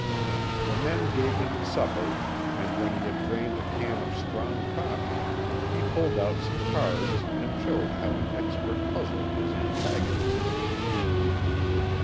The men gave him supper, and when he had drained a can of strong coffee he pulled out some cards and showed how an expert puzzled his antagonists.